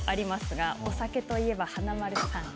お酒といえば華丸さん。